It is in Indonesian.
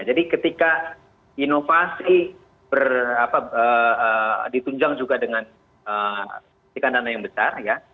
jadi ketika inovasi ditunjang juga dengan dana yang besar ya